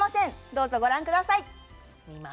どうぞご覧ください。